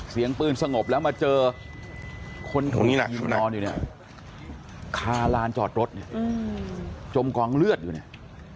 เสียงปื้นสงบแล้วมาเจอคนกดได้นอนอยู่เนี่ยคาลานจอดรถจมกองเลือดอยู่เนี่ย